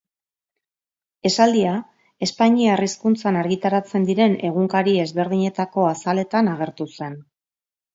Esaldia espainiar hizkuntzan argitaratzen diren egunkari ezberdinetako azaletan agertu zen.